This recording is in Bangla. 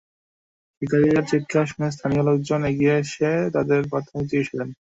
শিক্ষার্থীদের চিত্কার শুনে স্থানীয় লোকজন এগিয়ে এসে তাঁদের প্রাথমিক চিকিত্সা দেন।